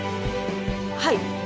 はい。